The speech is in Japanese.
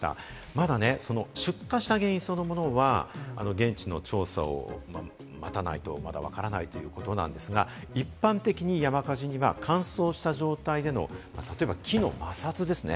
まだ出火原因そのものは現地の調査を待たないと、まだわからないということなんですが、一般的に山火事には乾燥した状態での例えば、木の摩擦ですね。